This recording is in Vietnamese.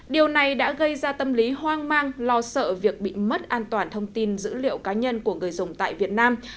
điều này đã gây ra tâm lý hoang mang lo sợ việc bị mất an toàn thông tin dữ liệu cá nhân của người dùng tại việt nam